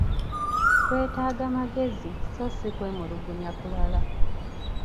Twetaaga magezi so si kwemulugunya kulala.